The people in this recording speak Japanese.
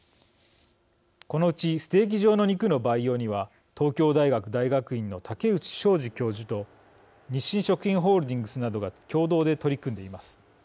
このうちステーキ状の肉の培養には東京大学大学院の竹内昌治教授と日清食品ホールディングスなどが共同で取り組んでいます。